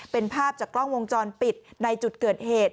เป็นภาพจากกล้องวงจรปิดในจุดเกิดเหตุ